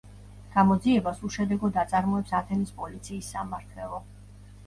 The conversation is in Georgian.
გამოძიებას უშედეგოდ აწარმოებს ათენის პოლიციის სამმართველო.